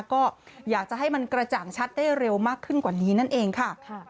ก็อยากจะให้มันกระจ่างชัดได้เร็วมากขึ้นกว่านี้นั่นเองค่ะ